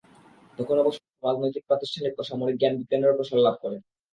তখন অবশ্য রাজনৈতিক, প্রাতিষ্ঠানিক ও সামরিক জ্ঞান-বিজ্ঞানেরও প্রসার লাভ করে।